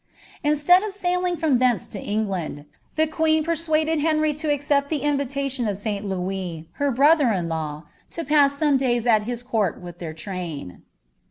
Inslgid cf ■ailing from thence to England, tlie queen persuaded Henry lo aeupl the invitation of St. Louis, her brother in law, to pass soffle days at lut court with their Uain.